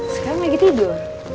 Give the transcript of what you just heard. sekarang mau pergi tidur